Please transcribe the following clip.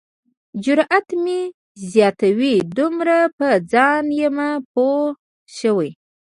جرات مې زیاتوي دومره په ځان یمه پوه شوی.